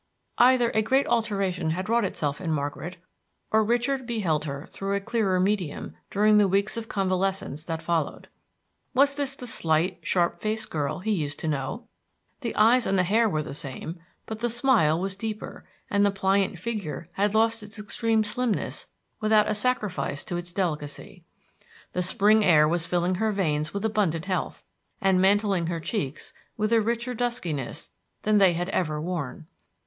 Either a great alteration had wrought itself in Margaret, or Richard beheld her through a clearer medium during the weeks of convalescence that followed. Was this the slight, sharp faced girl he used to know? The eyes and the hair were the same; but the smile was deeper, and the pliant figure had lost its extreme slimness without a sacrifice to its delicacy. The spring air was filling her veins with abundant health, and mantling her cheeks with a richer duskiness than they had ever worn.